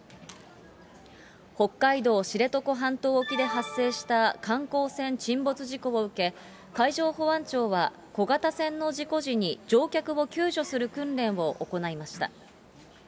北海道知床半島沖で発生した観光船沈没事故を受け、海上保安庁は、小型船の事故時に乗客を救助する訓練を行いました。